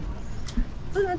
terus nanti kebijakannya gimana pak